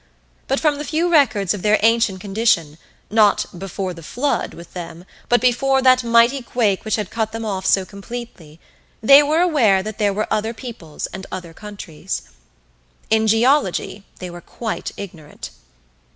But from the few records of their ancient condition not "before the flood" with them, but before that mighty quake which had cut them off so completely they were aware that there were other peoples and other countries. In geology they were quite ignorant.